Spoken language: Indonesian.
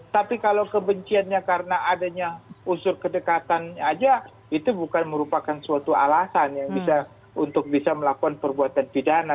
tapi kalau kebenciannya karena adanya usur kedekatan saja itu bukan merupakan suatu alasan untuk bisa melakukan perbuatan pidana